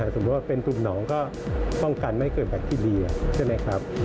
สมมุติว่าเป็นกลุ่มหนองก็ป้องกันไม่ให้เกิดแบคทีเรียใช่ไหมครับ